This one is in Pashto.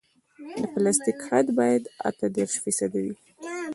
د پلاستیک حد باید اته دېرش فیصده وي